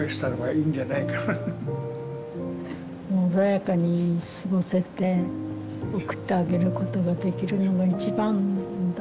穏やかに過ごせて送ってあげることができるのが一番だと。